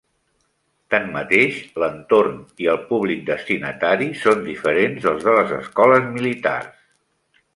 Tanmateix, l'entorn i el públic destinatari són diferents dels de les escoles militars.